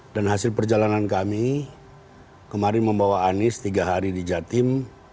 dan hasil perjalanan kami kemarin membawa anies tiga hari di jatim